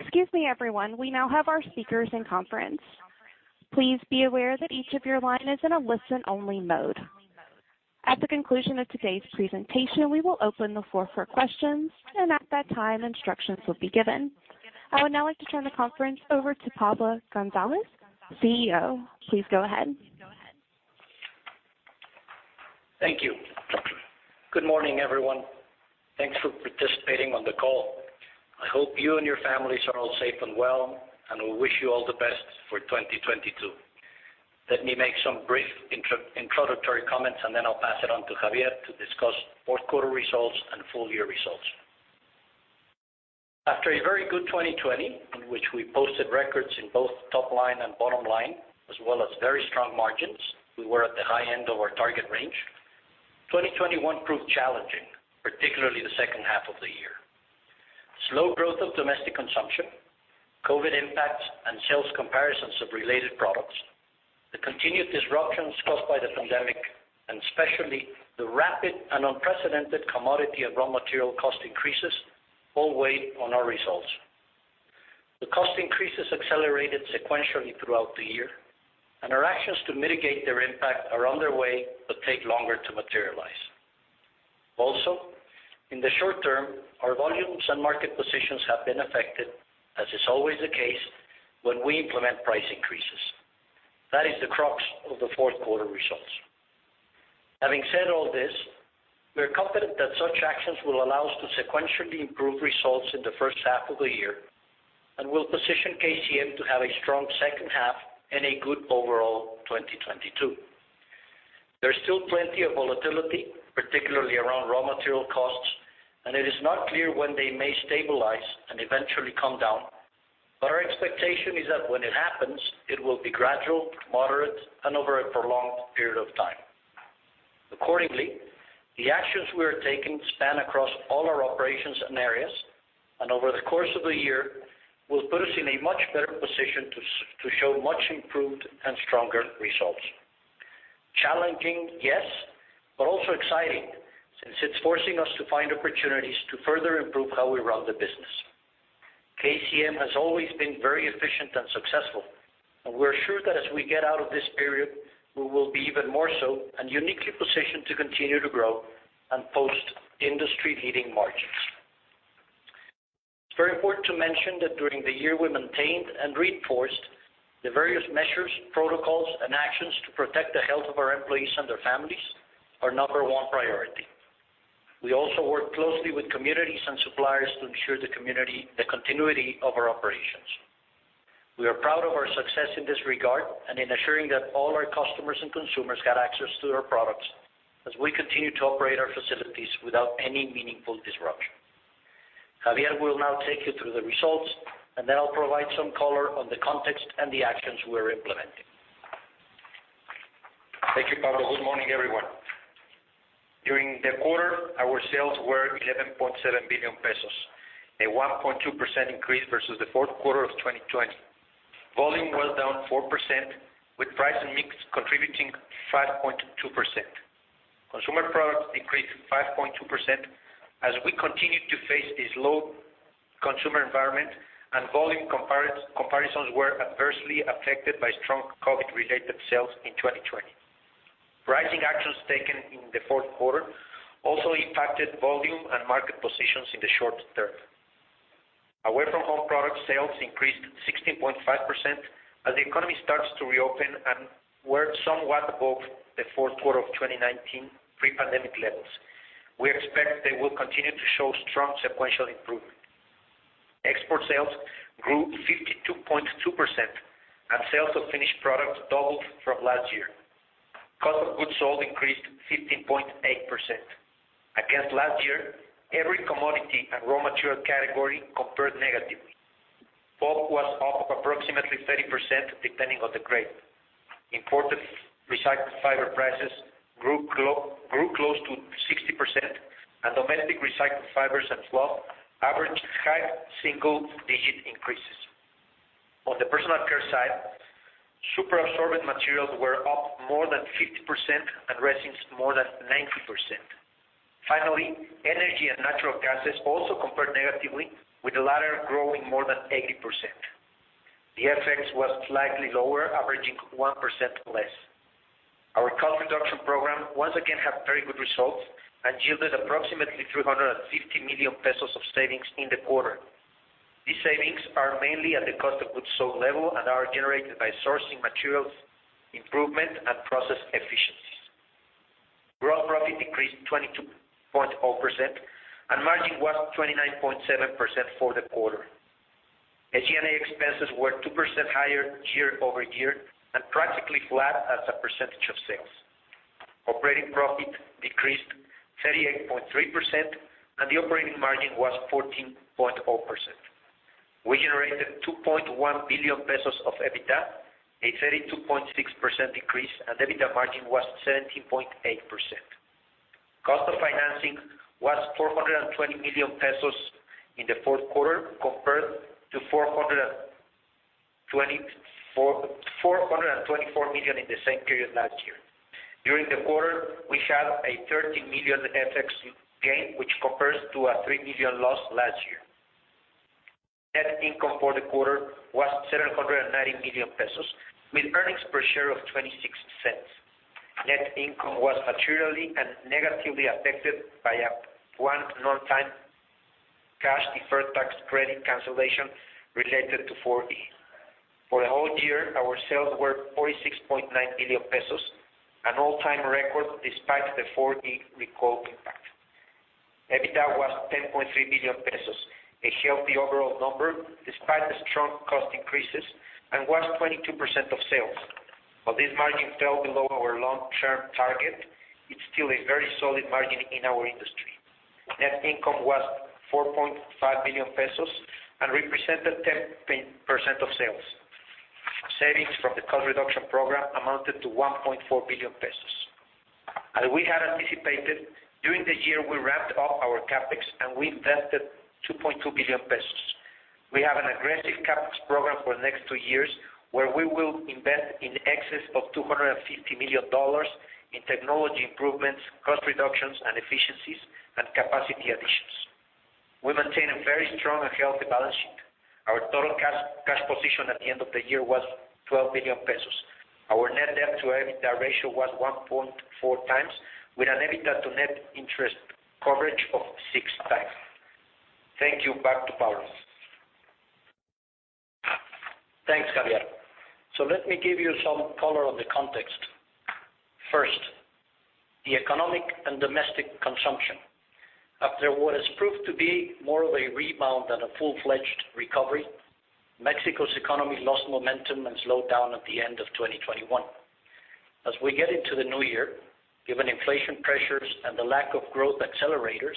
Excuse me everyone we now have our speakers in conference. Please be aware that each of your line is in a listen-only mode. At the conclusion of today's presentation, we will open the floor for questions, and at that time, instructions will be given. I would now like to turn the conference over to Pablo González, CEO. Please go ahead. Thank you. Good morning everyone. Thanks for participating on the call. I hope you and your families are all safe and well, and we wish you all the best for 2022. Let me make some brief introductory comments, and then I'll pass it on to Xavier to discuss fourth quarter results and full year results. After a very good 2020, in which we posted records in both top line and bottom line, as well as very strong margins, we were at the high end of our target range. 2021 proved challenging, particularly the second half of the year. Slow growth of domestic consumption, COVID impacts and sales comparisons of related products, the continued disruptions caused by the pandemic, and especially the rapid and unprecedented commodity and raw material cost increases all weighed on our results. The cost increases accelerated sequentially throughout the year, and our actions to mitigate their impact are on their way, but take longer to materialize. Also, in the short term, our volumes and market positions have been affected, as is always the case when we implement price increases. That is the crux of the fourth quarter results. Having said all this, we are confident that such actions will allow us to sequentially improve results in the first half of the year and will position KCM to have a strong second half and a good overall 2022. There's still plenty of volatility, particularly around raw material costs, and it is not clear when they may stabilize and eventually come down. Our expectation is that when it happens, it will be gradual, moderate, and over a prolonged period of time. Accordingly, the actions we are taking span across all our operations and areas, and over the course of the year will put us in a much better position to show much improved and stronger results. Challenging, yes, but also exciting, since it's forcing us to find opportunities to further improve how we run the business. KCM has always been very efficient and successful, and we're sure that as we get out of this period, we will be even more so and uniquely positioned to continue to grow and post industry-leading margins. It's very important to mention that during the year we maintained and reinforced the various measures, protocols, and actions to protect the health of our employees and their families, our number one priority. We also work closely with communities and suppliers to ensure the continuity of our operations. We are proud of our success in this regard and in assuring that all our customers and consumers got access to their products as we continue to operate our facilities without any meaningful disruption. Xavier will now take you through the results, and then I'll provide some color on the context and the actions we're implementing. Thank you Pablo. Good morning everyone. During the quarter, our sales were 11.7 billion pesos, a 1.2% increase versus the fourth quarter of 2020. Volume was down 4%, with price and mix contributing 5.2%. Consumer products decreased 5.2% as we continued to face a slow consumer environment, and volume comparisons were adversely affected by strong COVID-related sales in 2020. Pricing actions taken in the fourth quarter also impacted volume and market positions in the short term. Away-from-home product sales increased 16.5% as the economy starts to reopen and were somewhat above the fourth quarter of 2019 pre-pandemic levels. We expect they will continue to show strong sequential improvement. Export sales grew 52.2%, and sales of finished products doubled from last year. Cost of goods sold increased 15.8%. Against last year, every commodity and raw material category compared negatively. Pulp was up approximately 30%, depending on the grade. Imported recycled fiber prices grew close to 60%, and domestic recycled fibers as well, averaged high single-digit increases. On the personal care side, super absorbent materials were up more than 50%, and resins more than 90%. Finally, energy and natural gases also compared negatively, with the latter growing more than 80%. The FX was slightly lower, averaging 1% less. Our cost reduction program once again had very good results and yielded approximately 350 million pesos of savings in the quarter. These savings are mainly at the cost of goods sold level and are generated by sourcing materials, improvement, and process efficiencies. Gross profit decreased 22.0%, and margin was 29.7% for the quarter. SG&A expenses were 2% higher year-over-year and practically flat as a percentage of sales. Operating profit decreased 38.3%, and the operating margin was 14.0%. We generated 2.1 billion pesos of EBITDA, a 32.6% decrease, and EBITDA margin was 17.8%. Cost of financing was 420 million pesos in the fourth quarter compared to 424 million in the same period last year. During the quarter, we had a 13 million FX gain, which compares to a 3 million loss last year. Net income for the quarter was 790 million pesos, with earnings per share of 0.26. Net income was materially and negatively affected by a one-time cash deferred tax credit cancellation related to 4E. For the whole year, our sales were 46.9 million pesos, an all-time record despite the 4E recall impact. EBITDA was 10.3 million pesos, a healthy overall number despite the strong cost increases and was 22% of sales. While this margin fell below our long-term target, it's still a very solid margin in our industry. Net income was 4.5 million pesos and represented 10% of sales. Savings from the cost reduction program amounted to 1.4 billion pesos. As we had anticipated, during the year, we ramped up our CapEx and we invested 2.2 billion pesos. We have an aggressive CapEx program for the next two years, where we will invest in excess of $250 million in technology improvements, cost reductions and efficiencies, and capacity additions. We maintain a very strong and healthy balance sheet. Our total cash position at the end of the year was 12 billion pesos. Our net debt to EBITDA ratio was 1.4 times with an EBITDA to net interest coverage of six times. Thank you. Back to Pablo González. Thanks Xavier. Let me give you some color on the context. First, the economic and domestic consumption. After what has proved to be more of a rebound than a full-fledged recovery, Mexico's economy lost momentum and slowed down at the end of 2021. As we get into the new year, given inflation pressures and the lack of growth accelerators,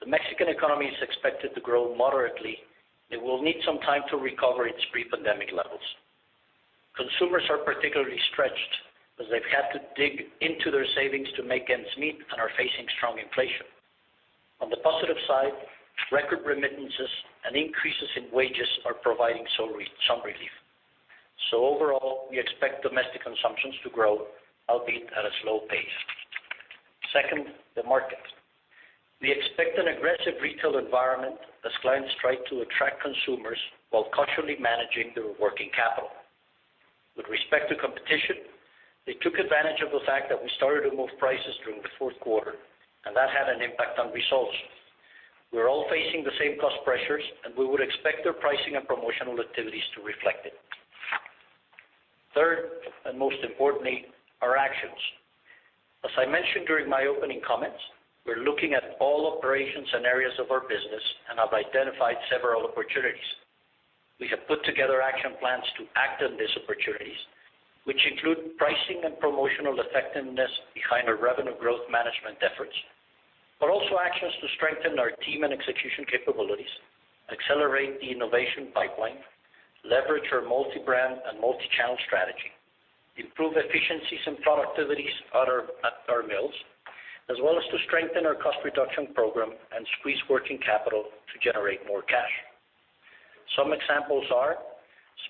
the Mexican economy is expected to grow moderately. It will need some time to recover its pre-pandemic levels. Consumers are particularly stretched as they've had to dig into their savings to make ends meet and are facing strong inflation. On the positive side, record remittances and increases in wages are providing some relief. Overall, we expect domestic consumptions to grow, albeit at a slow pace. Second, the market. We expect an aggressive retail environment as clients try to attract consumers while cautiously managing their working capital. With respect to competition, they took advantage of the fact that we started to move prices during the fourth quarter, and that had an impact on results. We're all facing the same cost pressures, and we would expect their pricing and promotional activities to reflect it. Third, and most importantly, our actions. As I mentioned during my opening comments, we're looking at all operations and areas of our business and have identified several opportunities. We have put together action plans to act on these opportunities, which include pricing and promotional effectiveness behind our revenue growth management efforts, but also actions to strengthen our team and execution capabilities, accelerate the innovation pipeline, leverage our multi-brand and multi-channel strategy, improve efficiencies and productivities at our mills, as well as to strengthen our cost reduction program and squeeze working capital to generate more cash. Some examples are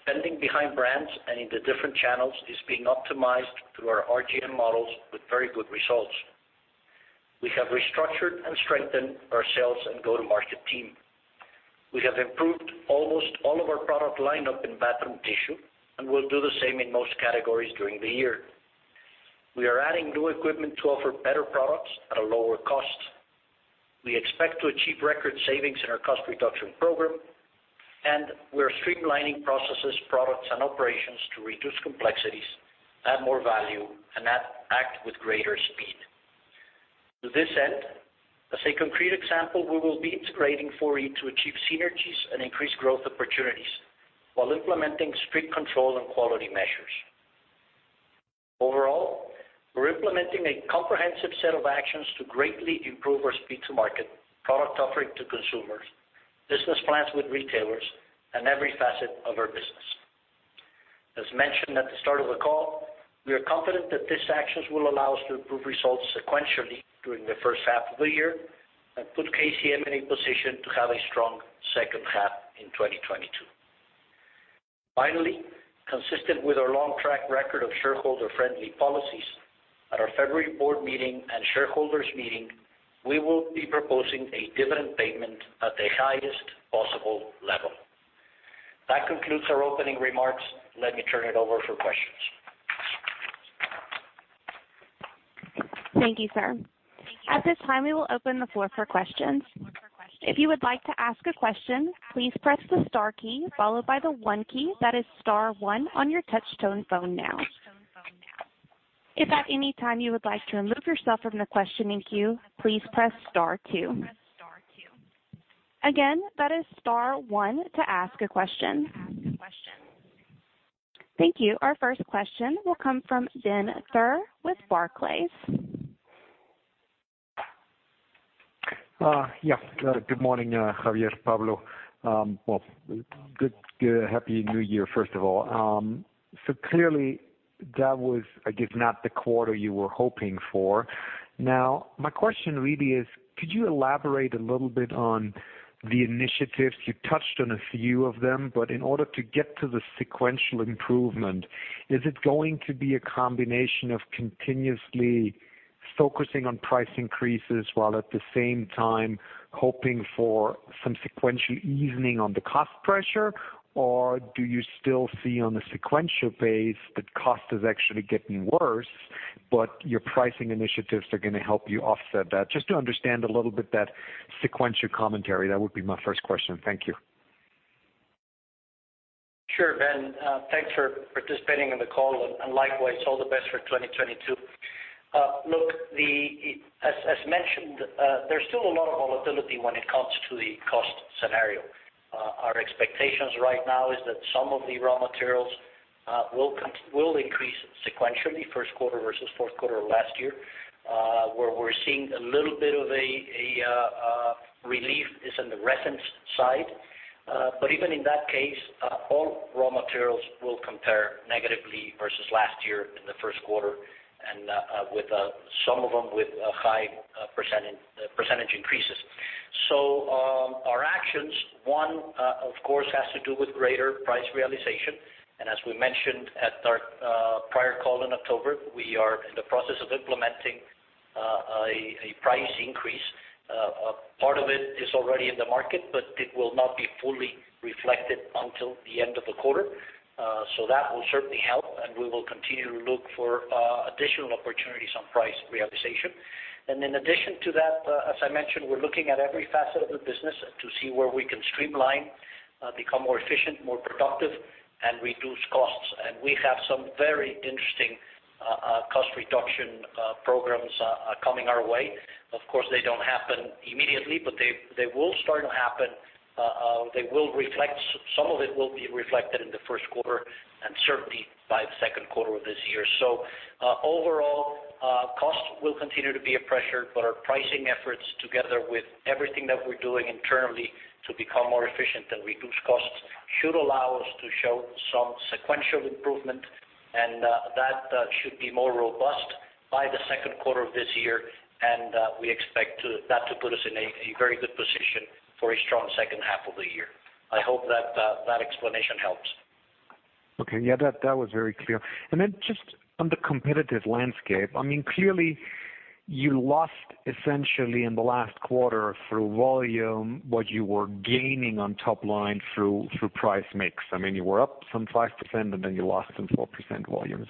spending behind brands and in the different channels is being optimized through our RGM models with very good results. We have restructured and strengthened our sales and go-to-market team. We have improved almost all of our product lineup in bathroom tissue, and we'll do the same in most categories during the year. We are adding new equipment to offer better products at a lower cost. We expect to achieve record savings in our cost reduction program, and we're streamlining processes, products, and operations to reduce complexities, add more value, and interact with greater speed. To this end, as a concrete example, we will be integrating 4E to achieve synergies and increase growth opportunities while implementing strict control and quality measures. Overall, we're implementing a comprehensive set of actions to greatly improve our speed to market, product offering to consumers, business plans with retailers, and every facet of our business. As mentioned at the start of the call, we are confident that these actions will allow us to improve results sequentially during the first half of the year and put KCM in a position to have a strong second half in 2022. Finally, consistent with our long track record of shareholder-friendly policies, at our February board meeting and shareholders meeting, we will be proposing a dividend payment at the highest possible level. That concludes our opening remarks. Let me turn it over for questions. Thank you sir. At this time, we will open the floor for questions. If you would like to ask a question, please press the star key followed by the one key that is star one, on your touch tone phone. If at any time you would like to remove yourself from the questioning queue please press start two. Again, that is start one to ask a question. Thank you. Our first question will come from Ben Theurer with Barclays. Yeah. Good morning Xavier, Pablo. Well, good happy New Year first of all. Clearly that was, I guess, not the quarter you were hoping for. Now my question really is, could you elaborate a little bit on the initiatives? You touched on a few of them, but in order to get to the sequential improvement, is it going to be a combination of continuously focusing on price increases while at the same time hoping for some sequential easing on the cost pressure? Or do you still see on a sequential basis that cost is actually getting worse, but your pricing initiatives are gonna help you offset that? Just to understand a little bit that sequential commentary, that would be my first question. Thank you. Sure Ben. Thanks for participating in the call, and likewise, all the best for 2022. Look as mentioned, there's still a lot of volatility when it comes to the cost scenario. Our expectations right now is that some of the raw materials will increase sequentially first quarter versus fourth quarter of last year. Where we're seeing a little bit of a relief is in the resins side. Even in that case, all raw materials will compare negatively versus last year in the first quarter and with some of them with high percentage increases. Our actions, one, of course, has to do with greater price realization. As we mentioned at our prior call in October, we are in the process of implementing a price increase. Part of it is already in the market, but it will not be fully reflected until the end of the quarter. That will certainly help, and we will continue to look for additional opportunities on price realization. In addition to that, as I mentioned, we're looking at every facet of the business to see where we can streamline, become more efficient, more productive, and reduce costs. We have some very interesting cost reduction programs coming our way. Of course they don't happen immediately, but they will start to happen. Some of it will be reflected in the first quarter and certainly by the second quarter of this year. Overall, cost will continue to be a pressure, but our pricing efforts together with everything that we're doing internally to become more efficient and reduce costs should allow us to show some sequential improvement. That should be more robust by the second quarter of this year. We expect that to put us in a very good position for a strong second half of the year. I hope that explanation helps. Okay. Yeah, that was very clear. Just on the competitive landscape, I mean, clearly you lost essentially in the last quarter through volume what you were gaining on top line through price mix. I mean, you were up some 5% and then you lost some 4% volume.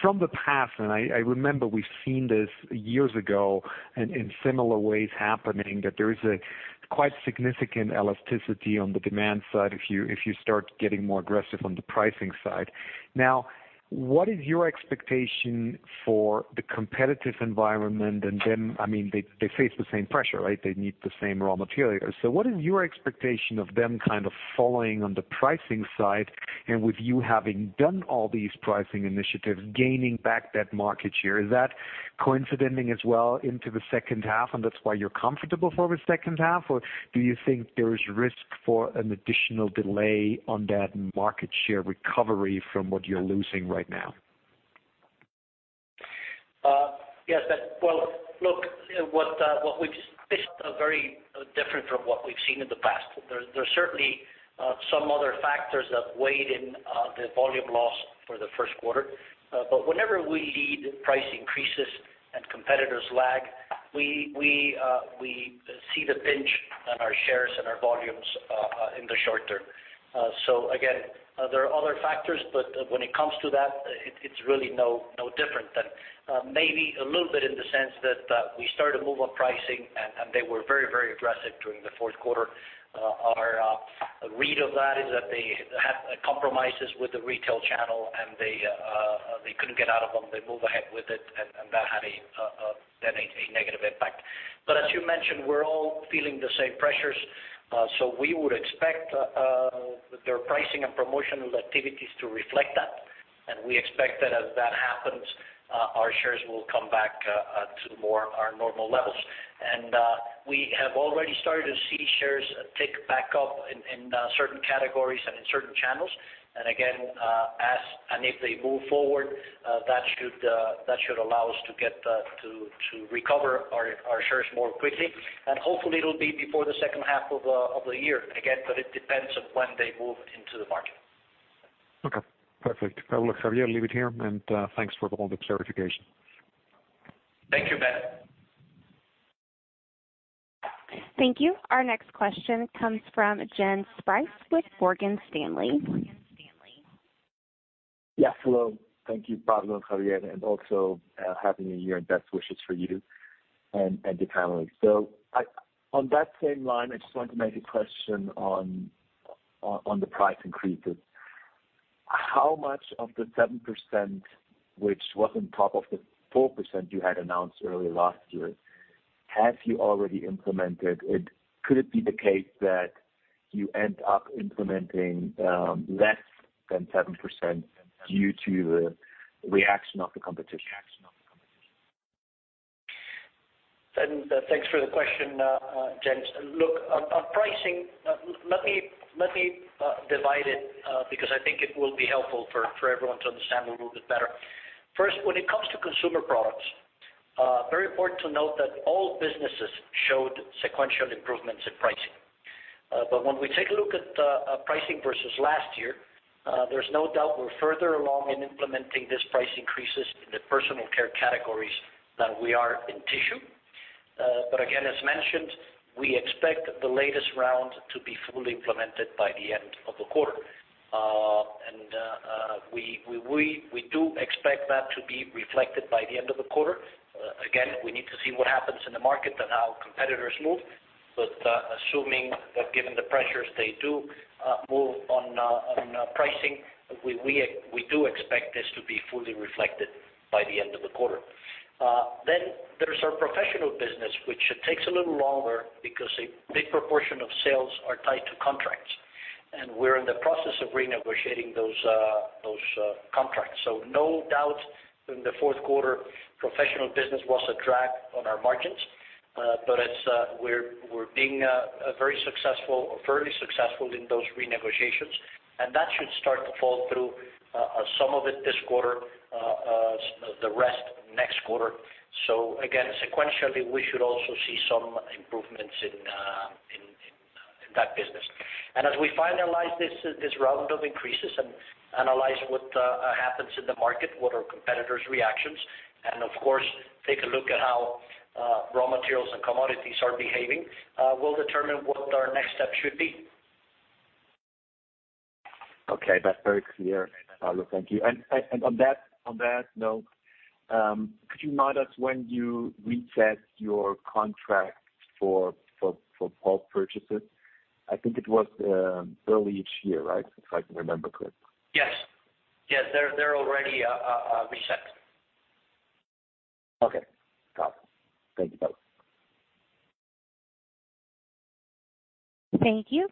From the past, I remember we've seen this years ago and in similar ways happening, that there is a quite significant elasticity on the demand side if you start getting more aggressive on the pricing side. What is your expectation for the competitive environment? I mean, they face the same pressure, right? They need the same raw materials. What is your expectation of them kind of following on the pricing side and with you having done all these pricing initiatives, gaining back that market share? Is that coinciding as well into the second half, and that's why you're comfortable for the second half, or do you think there is risk for an additional delay on that market share recovery from what you're losing right now? Well look, what we've just had is very different from what we've seen in the past. There's certainly some other factors that weighed in on the volume loss for the first quarter. Whenever we lead price increases and competitors lag, we see the pinch on our shares and our volumes in the short term. Again, there are other factors, but when it comes to that, it's really no different than maybe a little bit in the sense that we start to move on pricing and they were very aggressive during the fourth quarter. Our read of that is that they had compromises with the retail channel, and they couldn't get out of them. They move ahead with it, and that had a negative impact. As you mentioned, we're all feeling the same pressures, so we would expect their pricing and promotional activities to reflect that. We expect that as that happens, our shares will come back to more of our normal levels. We have already started to see shares tick back up in certain categories and in certain channels. Again, if they move forward, that should allow us to get to recover our shares more quickly. Hopefully, it'll be before the second half of the year. Again, but it depends on when they move into the market. Okay, perfect. I will let Xavier leave it here, and thanks for all the clarification. Thank you Ben. Thank you. Our next question comes from Jens Spiess with Morgan Stanley. Yes, hello. Thank you Pablo and Xavier, and also happy New Year and best wishes for you and your families. On that same line, I just want to make a question on the price increases. How much of the 7%, which was on top of the 4% you had announced earlier last year, have you already implemented? Could it be the case that you end up implementing less than 7% due to the reaction of the competition? Thanks for the question Jens. Look, on pricing, let me divide it, because I think it will be helpful for everyone to understand a little bit better. First, when it comes to consumer products, very important to note that all businesses showed sequential improvements in pricing. When we take a look at pricing versus last year, there's no doubt we're further along in implementing these price increases in the personal care categories than we are in tissue. Again as mentioned, we expect the latest round to be fully implemented by the end of the quarter. We do expect that to be reflected by the end of the quarter. Again, we need to see what happens in the market and how competitors move. Assuming that given the pressures, they do move on pricing, we do expect this to be fully reflected by the end of the quarter. Then there's our Professional Business, which takes a little longer because a big proportion of sales are tied to contracts, and we're in the process of renegotiating those contracts. No doubt in the fourth quarter Professional Business was a drag on our margins. We're being very successful or fairly successful in those renegotiations. That should start to flow through, some of it this quarter, the rest next quarter. Again sequentially, we should also see some improvements in that business. As we finalize this round of increases and analyze what happens in the market, what are competitors' reactions, and of course, take a look at how raw materials and commodities are behaving, we'll determine what our next step should be. Okay, that's very clear Pablo. Thank you. On that note, could you remind us when you reset your contract for pulp purchases? I think it was early each year, right? If I can remember correctly. Yes. They're already reset. Okay, got it. Thank you Pablo. Thank you.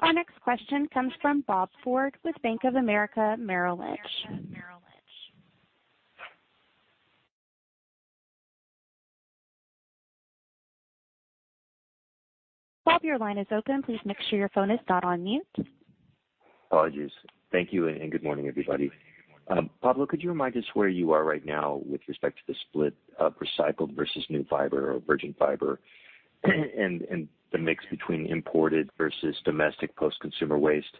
Our next question comes from Bob Ford with Bank of America Merrill Lynch. Bob, your line is open. Please make sure your phone is not on mute. Apologies. Thank you, and good morning everybody. Pablo, could you remind us where you are right now with respect to the split of recycled versus new fiber or virgin fiber, and the mix between imported versus domestic post-consumer waste?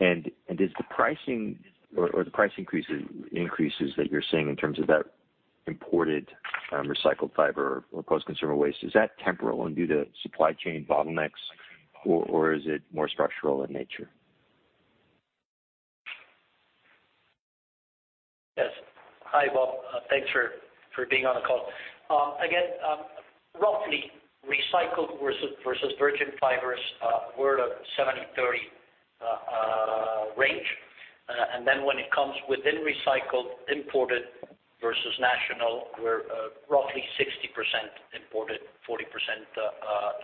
Is the pricing or the price increases that you're seeing in terms of that imported recycled fiber or post-consumer waste temporal and due to supply chain bottlenecks or is it more structural in nature? Yes. Hi Bob. Thanks for being on the call. Again, roughly recycled versus virgin fibers, we're at a 70/30 range. Then when it comes within recycled, imported versus national, we're roughly 60% imported, 40%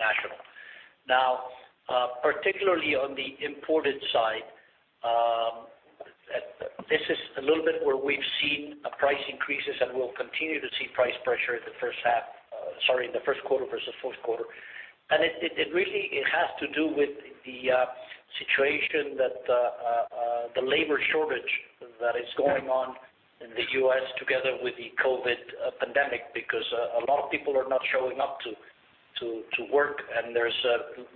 national. Now, particularly on the imported side, this is a little bit where we've seen price increases and will continue to see price pressure in the first half, sorry, in the first quarter versus fourth quarter. It really has to do with the situation that the labor shortage that is going on in the U.S. together with the COVID pandemic, because a lot of people are not showing up to work, and there's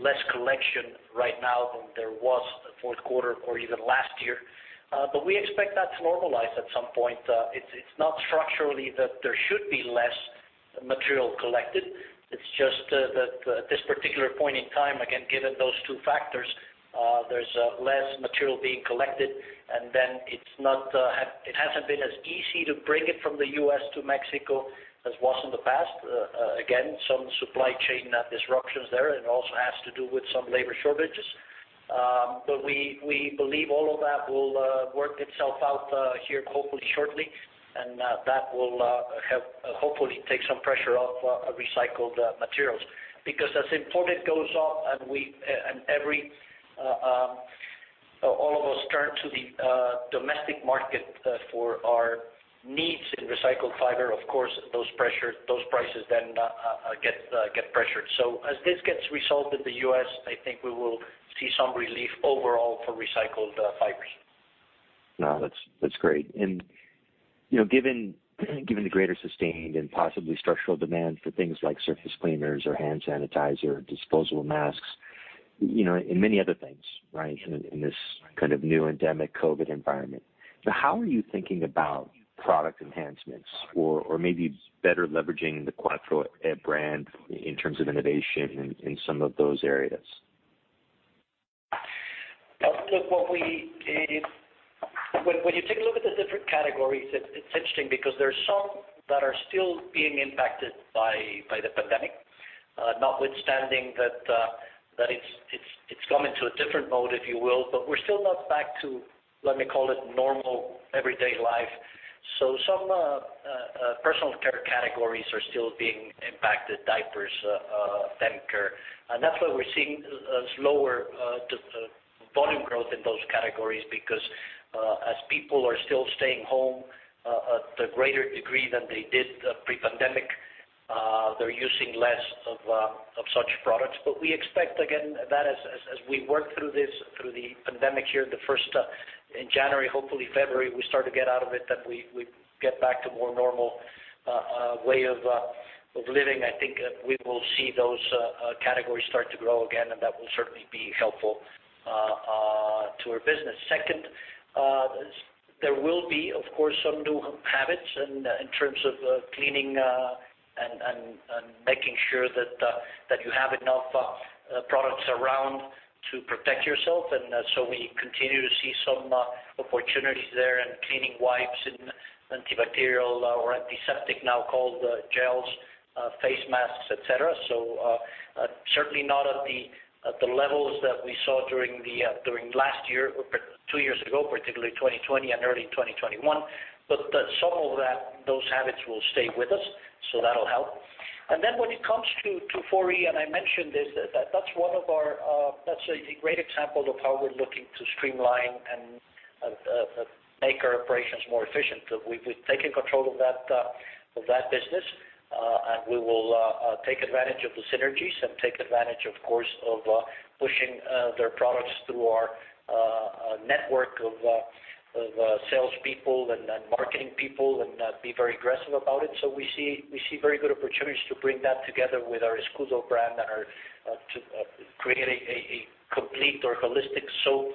less collection right now than there was the fourth quarter or even last year. We expect that to normalize at some point. It's not structurally that there should be less material collected. It's just that at this particular point in time, again, given those two factors, there's less material being collected, and then it hasn't been as easy to bring it from the U.S. to Mexico as was in the past. Again, some supply chain disruptions there, and it also has to do with some labor shortages. We believe all of that will work itself out here hopefully shortly, and that will help hopefully take some pressure off recycled materials. Because as import goes off and all of us turn to the domestic market for our needs in recycled fiber, of course, those prices then get pressured. As this gets resolved in the U.S., I think we will see some relief overall for recycled fibers. No, that's great. You know, given the greater sustained and possibly structural demand for things like surface cleaners or hand sanitizer, disposable masks, you know, and many other things, right, in this kind of new endemic COVID environment, how are you thinking about product enhancements or maybe better leveraging the Quatro brand in terms of innovation in some of those areas? Look, what we did. When you take a look at the different categories, it's interesting because there are some that are still being impacted by the pandemic. Notwithstanding that it's gone into a different mode, if you will, but we're still not back to, let me call it, normal everyday life. Some personal care categories are still being impacted. Diapers, that's why we're seeing a slower volume growth in those categories because as people are still staying home at a greater degree than they did pre-pandemic, they're using less of such products. We expect again, that as we work through the pandemic here in January, hopefully February, we start to get out of it, that we get back to more normal way of living. I think we will see those categories start to grow again, and that will certainly be helpful to our business. Second, there will be, of course, some new habits in terms of cleaning and making sure that you have enough products around to protect yourself. We continue to see some opportunities there and cleaning wipes and antibacterial or antiseptic now called gels, face masks, et cetera. Certainly not at the levels that we saw during last year or two years ago, particularly 2020 and early 2021, but some of that, those habits will stay with us, so that'll help. When it comes to Foré, and I mentioned this, that's one of our, that's a great example of how we're looking to streamline and make our operations more efficient. We've taken control of that business, and we will take advantage of the synergies and take advantage, of course, of pushing their products through our network of salespeople and marketing people and be very aggressive about it. We see very good opportunities to bring that together with our Escudo brand and our to create a complete or holistic soap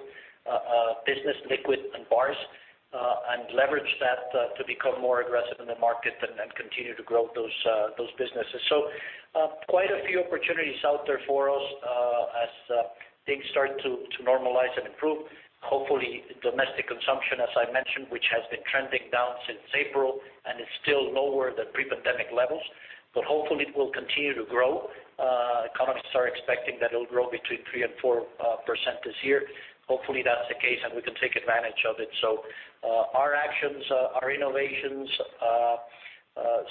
business liquid and bars and leverage that to become more aggressive in the market and then continue to grow those businesses. Quite a few opportunities out there for us as things start to normalize and improve. Hopefully, domestic consumption, as I mentioned, which has been trending down since April and is still lower than pre-pandemic levels, but hopefully it will continue to grow. Economists are expecting that it'll grow between 3% and 4% this year. Hopefully, that's the case, and we can take advantage of it. Our actions, our innovations,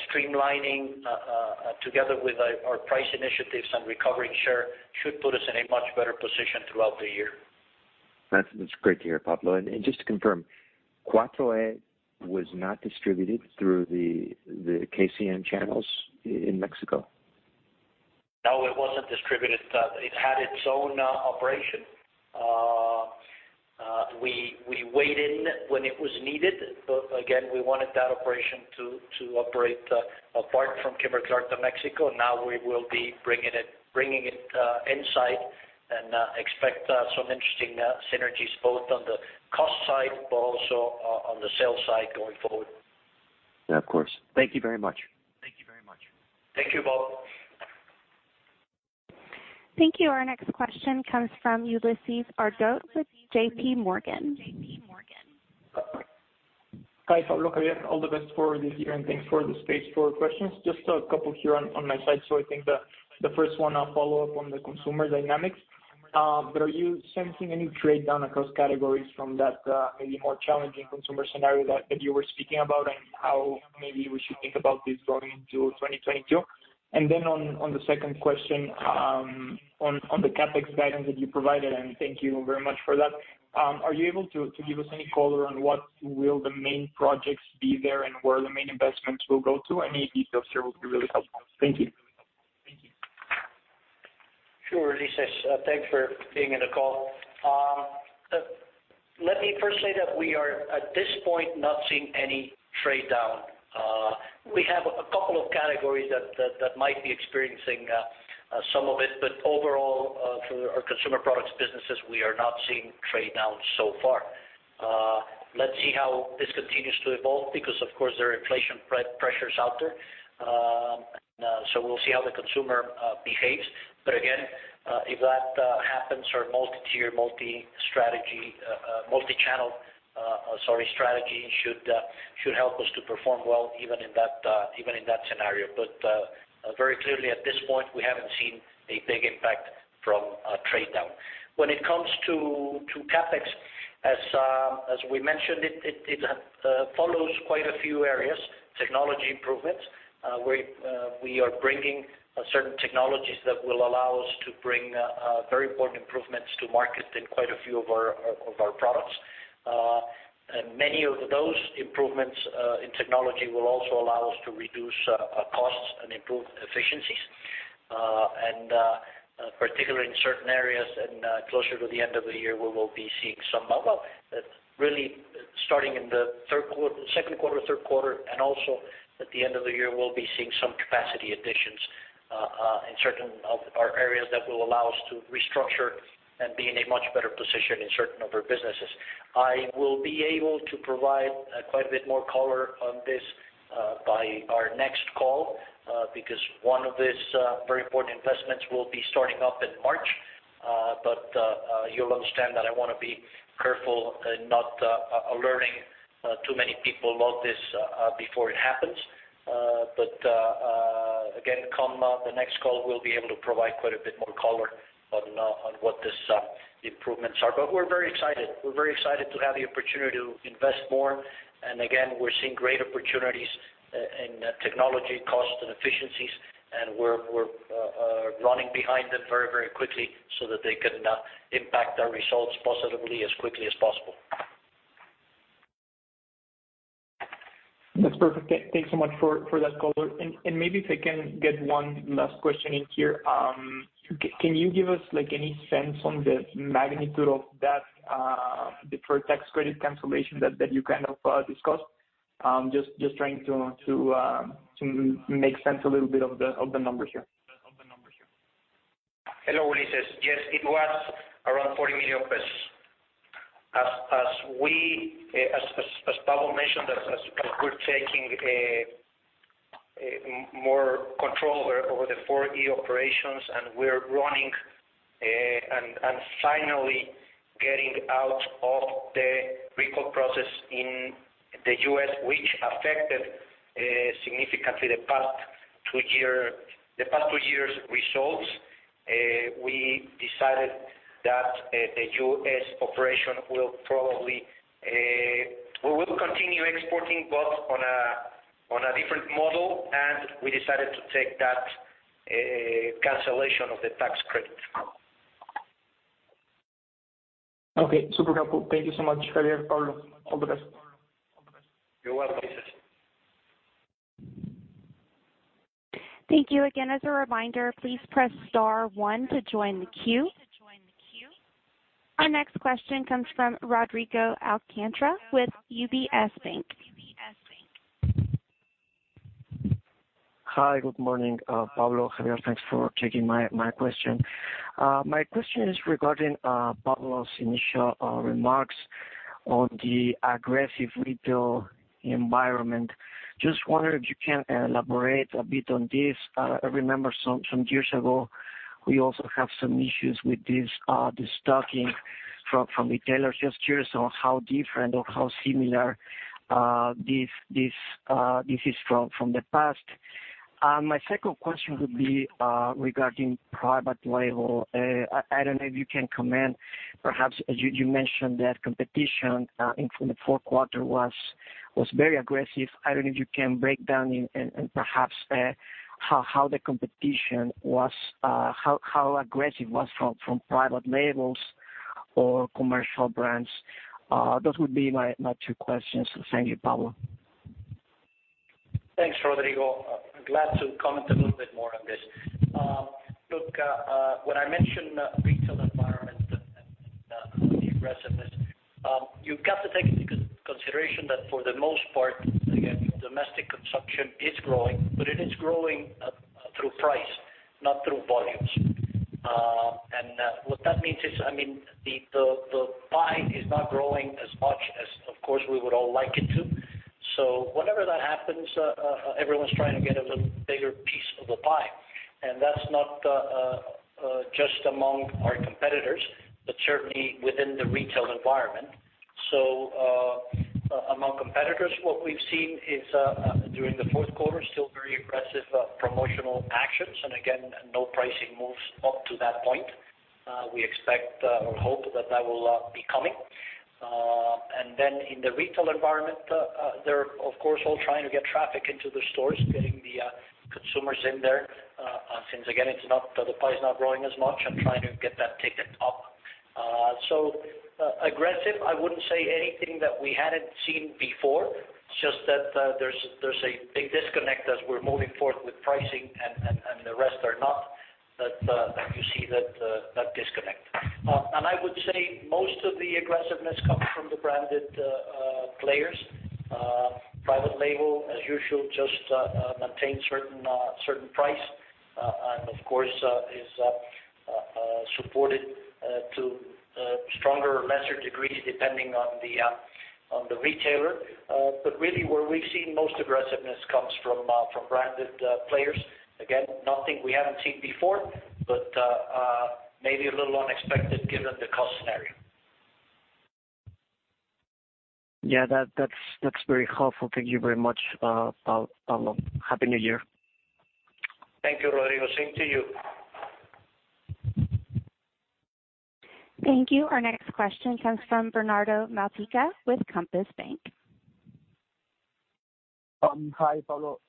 streamlining together with our price initiatives and recovering share should put us in a much better position throughout the year. That's great to hear, Pablo. Just to confirm, Cuatro A was not distributed through the KCM channels in México? No it wasn't distributed. It had its own operation. We weighed in when it was needed. Again, we wanted that operation to operate apart from Kimberly-Clark de México. Now we will be bringing it inside and expect some interesting synergies, both on the cost side, but also on the sales side going forward. Yeah, of course. Thank you very much. Thank you Bob. Thank you. Our next question comes from Ulises Argote with JPMorgan. Hi Pablo, Xavier. All the best for this year, and thanks for the space for questions. Just a couple here on my side. I think the first one I'll follow up on the consumer dynamics. Are you sensing any trade down across categories from that maybe more challenging consumer scenario that you were speaking about and how maybe we should think about this going into 2022? On the second question on the CapEx guidance that you provided, and thank you very much for that. Are you able to give us any color on what will the main projects be there and where the main investments will go to? Any details here would be really helpful. Thank you. Sure Ulises. Thanks for being on the call. Let me first say that we are, at this point, not seeing any trade down. We have a couple of categories that might be experiencing some of it. Overall, for our consumer products businesses, we are not seeing trade down so far. Let's see how this continues to evolve because, of course, there are inflationary pressures out there. We'll see how the consumer behaves. Again if that happens, our multi-tier, multi-strategy, multi-channel strategy should help us to perform well even in that scenario. Very clearly, at this point, we haven't seen a big impact from trade down. When it comes to CapEx, as we mentioned, it follows quite a few areas. Technology improvements, we are bringing certain technologies that will allow us to bring very important improvements to market in quite a few of our products. Many of those improvements in technology will also allow us to reduce costs and improve efficiencies, and particularly in certain areas and closer to the end of the year, we will be seeing some really starting in the second quarter, third quarter, and also at the end of the year, we'll be seeing some capacity additions in certain of our areas that will allow us to restructure and be in a much better position in certain of our businesses. I will be able to provide quite a bit more color on this by our next call, because one of these very important investments will be starting up in March. You'll understand that I wanna be careful in not alerting too many people about this before it happens. Again, by the next call, we'll be able to provide quite a bit more color on what these improvements are. We're very excited. We're very excited to have the opportunity to invest more. We're seeing great opportunities in technology cost and efficiencies, and we're running behind them very quickly so that they can impact our results positively as quickly as possible. That's perfect. Thanks so much for that color. Maybe if I can get one last question in here. Can you give us, like, any sense on the magnitude of that, the tax credit cancellation that you kind of discussed? Just trying to make sense a little bit of the numbers here. Hello Ulises. Yes, it was around 40 million pesos. As Pablo mentioned, as we're taking more control over the 4E operations, and we're running and finally getting out of the recall process in the U.S., which affected significantly the past two years' results, we decided that the U.S. operation will probably. We will continue exporting but on a different model, and we decided to take that cancellation of the tax credit. Okay, super helpful. Thank you so much Xavier, Pablo. All the best. You're welcome Ulises. Thank you. Again as a reminder, please press star one to join the queue. Our next question comes from Rodrigo Alcantara with UBS Bank. Hi good morning, Pablo, Xavier. Thanks for taking my question. My question is regarding Pablo González's initial remarks on the aggressive retail environment. Just wondering if you can elaborate a bit on this. I remember some years ago, we also have some issues with this, the stocking from retailers. Just curious on how different or how similar this is from the past. My second question would be regarding private label. I don't know if you can comment, perhaps as you mentioned that competition from the fourth quarter was very aggressive. I don't know if you can break down and perhaps how the competition was, how aggressive was from private labels or commercial brands. Those would be my two questions. Thank you Pablo. Thanks Rodrigo. Glad to comment a little bit more on this. Look, when I mention retail environment and the aggressiveness, you've got to take into consideration that for the most part, again, domestic consumption is growing, but it is growing through price, not through volumes. What that means is, I mean, the pie is not growing as much as, of course, we would all like it to. Whenever that happens, everyone's trying to get a bigger piece of the pie. That's not just among our competitors, but certainly within the retail environment. Among competitors, what we've seen is during the fourth quarter, still very aggressive promotional actions, and again, no pricing moves up to that point. We expect or hope that will be coming. Then in the retail environment, they're of course all trying to get traffic into the stores, getting the consumers in there, since again the pie is not growing as much and trying to get that ticket up, aggressive. I wouldn't say anything that we hadn't seen before. It's just that there's a big disconnect as we're moving forward with pricing and the rest are not, that you see that disconnect. I would say most of the aggressiveness comes from the branded players. Private label as usual, just maintain certain price, and of course is supported to stronger or lesser degrees, depending on the retailer. Really, where we've seen most aggressiveness comes from branded players. Again, nothing we haven't seen before, but maybe a little unexpected given the cost scenario. Yeah, that's very helpful. Thank you very much Pablo. Happy New Year. Thank you Rodrigo. Same to you. Thank you. Our next question comes from Bernardo Maltica with Compass Bank. Hi Pablo.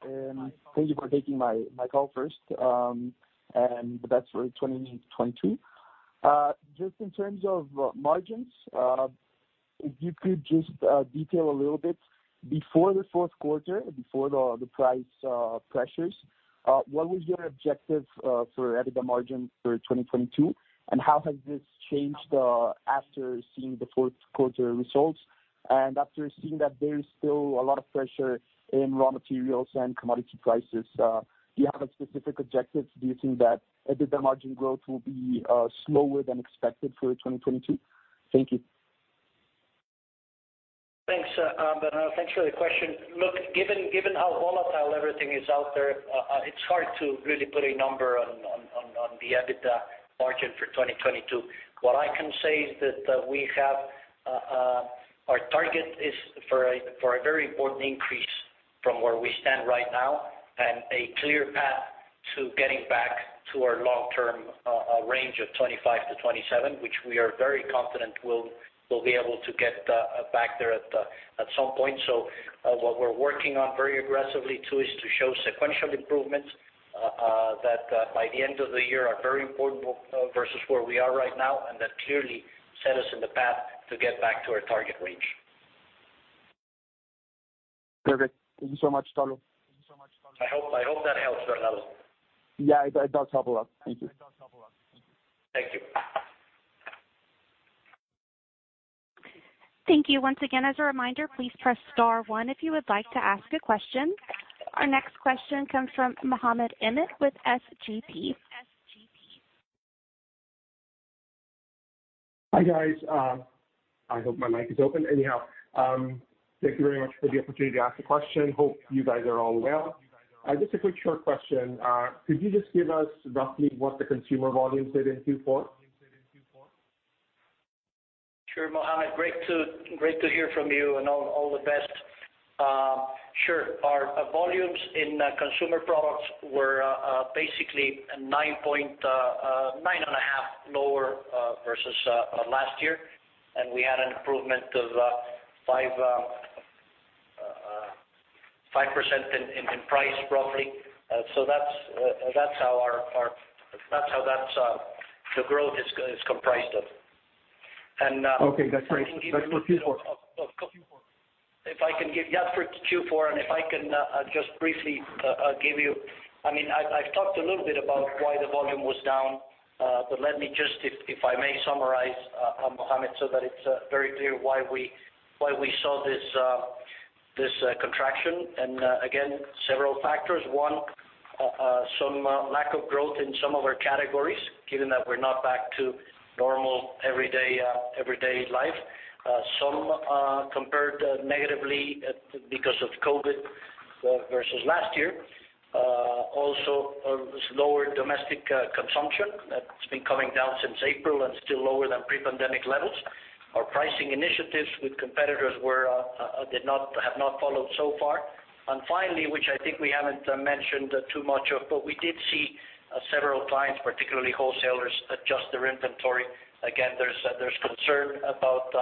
Thank you for taking my call first, and the best for 2020. Just in terms of margins, if you could just detail a little bit before the fourth quarter, before the price pressures, what was your objective for EBITDA margin for 2022? How has this changed after seeing the fourth quarter results? After seeing that there is still a lot of pressure in raw materials and commodity prices, do you have a specific objective? Do you think that EBITDA margin growth will be slower than expected for 2022? Thank you. Thanks Bernardo. Thanks for the question. Look, given how volatile everything is out there, it's hard to really put a number on that. On the EBITDA margin for 2022. What I can say is that we have our target is for a very important increase from where we stand right now, and a clear path to getting back to our long-term range of 25%-27%, which we are very confident we'll be able to get back there at some point. What we're working on very aggressively too is to show sequential improvements that by the end of the year are very important versus where we are right now and that clearly set us in the path to get back to our target range. Perfect. Thank you so much Pablo. I hope that helps Bernardo. Yeah, it does help a lot. Thank you. Thank you. Thank you. Once again, as a reminder, please press star one if you would like to ask a question. Our next question comes from Mohammed Emmett with SGP. Hi guys. I hope my mic is open. Anyhow, thank you very much for the opportunity to ask a question. Hope you guys are all well. Just a quick short question. Could you just give us roughly what the consumer volumes did in Q4? Sure Mohammed. Great to hear from you and all the best. Sure. Our volumes in consumer products were basically 9.5% lower versus last year. We had an improvement of 5% in price roughly. So that's how the growth is comprised of. Okay that's great. That's for Q4. If I can give you, For Q4. If I can just briefly give you, I mean, I've talked a little bit about why the volume was down. But let me just, if I may summarize, Mohammed, so that it's very clear why we saw this contraction. Again, several factors. One, some lack of growth in some of our categories, given that we're not back to normal everyday life. Some compared negatively because of COVID versus last year. Also, slower domestic consumption that's been coming down since April and still lower than pre-pandemic levels. Our pricing initiatives with competitors have not followed so far. Finally, which I think we haven't mentioned too much of, but we did see several clients, particularly wholesalers, adjust their inventory. Again, there's concern about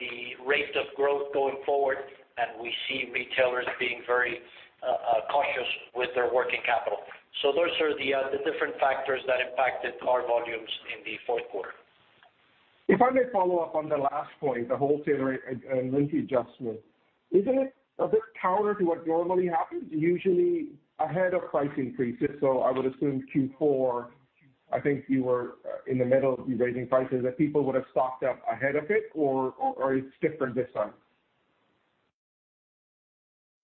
the rate of growth going forward, and we see retailers being very cautious with their working capital. Those are the different factors that impacted our volumes in the fourth quarter. If I may follow up on the last point, the wholesaler and link adjustment. Isn't it a bit counter to what normally happens? Usually ahead of price increases, so I would assume Q4, I think you were in the middle of you raising prices, that people would have stocked up ahead of it or it's different this time?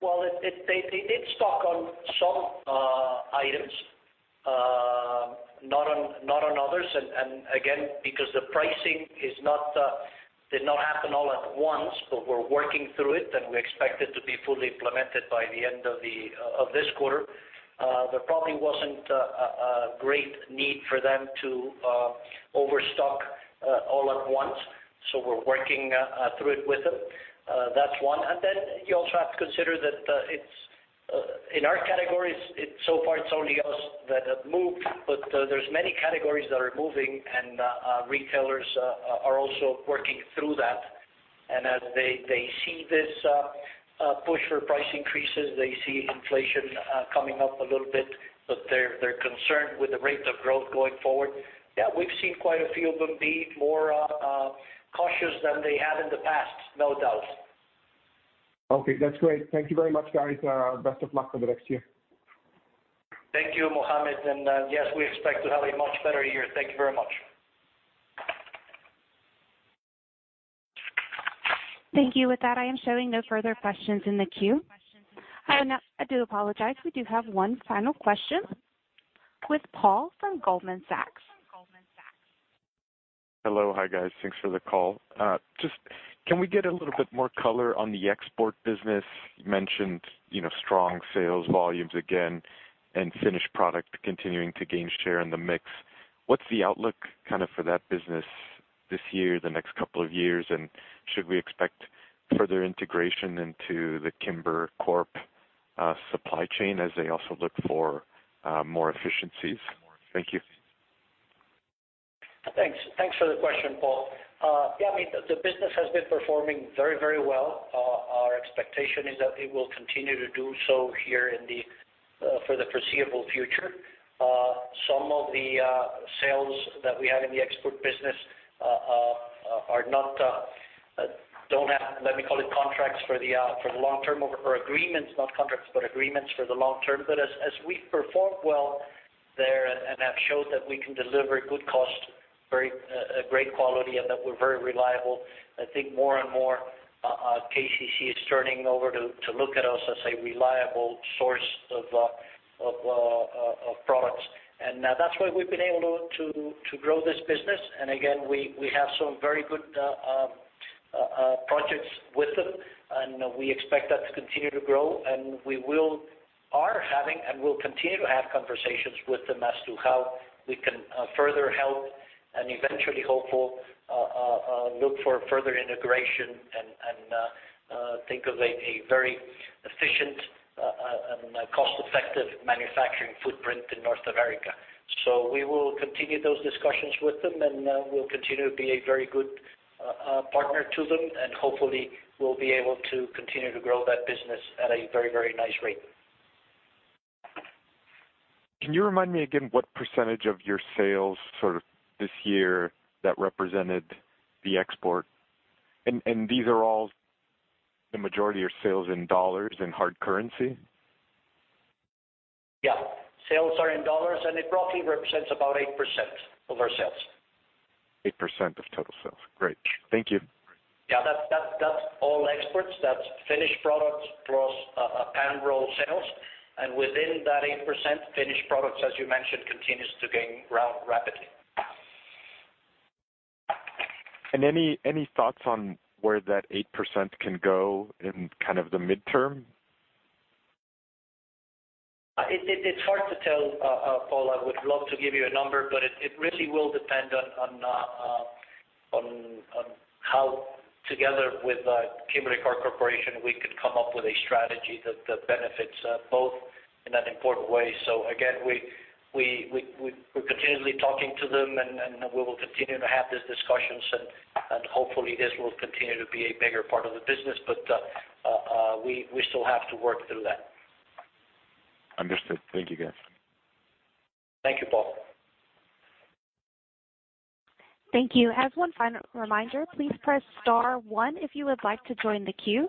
Well, they did stock on some items, not on others. Again, because the pricing did not happen all at once, but we're working through it, and we expect it to be fully implemented by the end of this quarter. There probably wasn't a great need for them to overstock all at once. We're working through it with them. That's one. Then you also have to consider that it's in our categories, it's so far it's only us that have moved, but there's many categories that are moving and retailers are also working through that. As they see this push for price increases, they see inflation coming up a little bit, but they're concerned with the rates of growth going forward. Yeah, we've seen quite a few of them be more cautious than they have in the past, no doubt. Okay. That's great. Thank you very much guys. Best of luck for the next year. Thank you Mohammed. Yes, we expect to have a much better year. Thank you very much. Thank you. With that, I am showing no further questions in the queue. Now I do apologize, we do have one final question with Paul from Goldman Sachs. Hello. Hi guys. Thanks for the call. Just can we get a little bit more color on the export business? You mentioned, you know, strong sales volumes again and finished product continuing to gain share in the mix. What's the outlook kind of for that business this year, the next couple of years? And should we expect further integration into the Kimber Corp supply chain as they also look for more efficiencies? Thank you. Thanks. Thanks for the question Paul. Yeah, I mean, the business has been performing very, very well. Our expectation is that it will continue to do so here in the for the foreseeable future. Some of the sales that we have in the export business don't have, let me call it contracts for the long term or agreements, not contracts, but agreements for the long term. As we've performed well there and have showed that we can deliver good cost, very a great quality and that we're very reliable, I think more and more KCC is turning over to look at us as a reliable source of products. That's why we've been able to grow this business. We have some very good projects with them, and we expect that to continue to grow, and we are having, and will continue to have conversations with them as to how we can further help and eventually hopefully look for further integration and think of a very efficient cost-effective manufacturing footprint in North America. We will continue those discussions with them, and we'll continue to be a very good partner to them, and hopefully, we'll be able to continue to grow that business at a very nice rate. Can you remind me again what percentage of your sales sort of this year that represented the export? These are all the majority of sales in dollars in hard currency. Yeah. Sales are in dollars, and it roughly represents about 8% of our sales. 8% of total sales. Great. Thank you. Yeah, that's all exports. That's finished products plus pan roll sales. Within that 8% finished products as you mentioned, continues to gain ground rapidly. Any thoughts on where that 8% can go in kind of the midterm? It's hard to tell Paul. I would love to give you a number, but it really will depend on how together with Kimberly-Clark Corporation we could come up with a strategy that benefits both in an important way. Again, we're continually talking to them, and we will continue to have these discussions, and hopefully this will continue to be a bigger part of the business. We still have to work through that. Understood. Thank you, guys. Thank you Paul. Thank you. As one final reminder, please press star one if you would like to join the queue.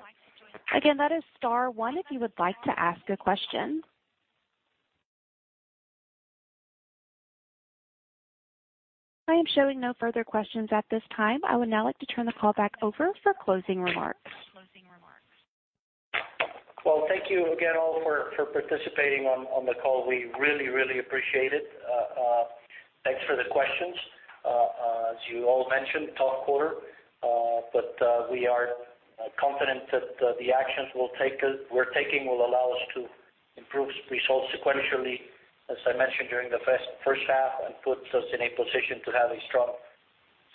Again, that is star one if you would like to ask a question. I am showing no further questions at this time. I would now like to turn the call back over for closing remarks. Well, thank you again all for participating on the call. We really appreciate it. Thanks for the questions. As you all mentioned, tough quarter, but we are confident that the actions we're taking will allow us to improve results sequentially, as I mentioned during the first half, and puts us in a position to have a strong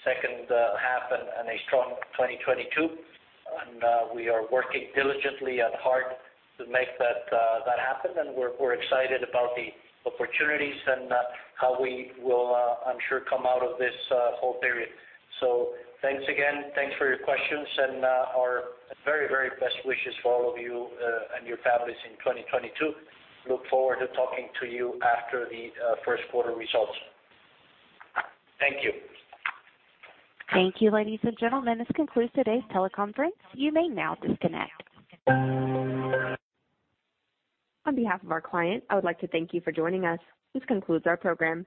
second half and a strong 2022. We are working diligently hard to make that happen. We're excited about the opportunities and how we will, I'm sure, come out of this whole period. Thanks again. Thanks for your questions and our very best wishes for all of you and your families in 2022. Look forward to talking to you after the first quarter results. Thank you. Thank you. Ladies and gentlemen, this concludes today's teleconference, you may now disconnect. On behalf of our client, I would like to thank you for joining us. This concludes our program.